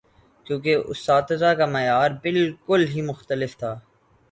کیونکہ اساتذہ کا معیار بالکل ہی مختلف تھا۔